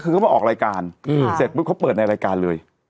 คือเขามาออกรายการเสร็จปุ๊บเขาเปิดในรายการเลย